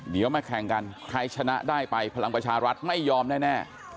เดี๋ยวมาแข่งกันใครชนะได้ไปพลังประชารัฐไม่ยอมแน่